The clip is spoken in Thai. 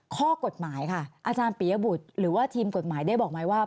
ข้อกฎหมายค่ะอาจารย์ปียบุตรหรือว่าทีมกฎหมายได้บอกไหมว่า